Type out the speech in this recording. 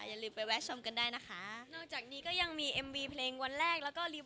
อย่าลืมไปแวะชมกันได้นะคะนอกจากนี้ก็ยังมีเอ็มวีเพลงวันแรกแล้วก็รีบ